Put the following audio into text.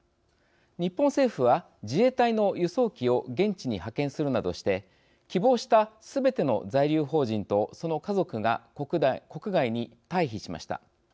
日本政府は、自衛隊の輸送機を現地に派遣するなどして希望したすべての在留邦人とその家族が、国外に退避しました。